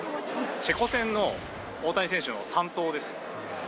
チェコ戦の大谷選手の３盗ですね。